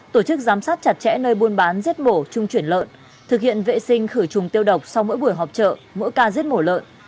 tổ chức giám sát chặt chẽ nơi buôn bán giết mổ trung chuyển lợn thực hiện vệ sinh khử trùng tiêu độc sau mỗi buổi họp trợ mỗi ca giết mổ lợn